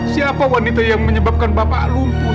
siapa wanita yang menyebabkan bapak lumpur